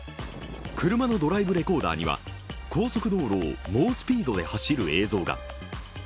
車のドライブレコーダーには、高速道路を猛スピードで走る映像が。